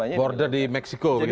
dia kan border di meksiko gitu ya